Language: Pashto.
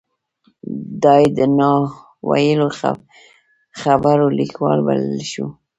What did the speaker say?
دای د نا ویلو خبرو لیکوال بللی شو.